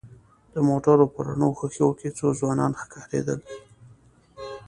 د موټر په رڼو ښېښو کې څو ځوانان ښکارېدل.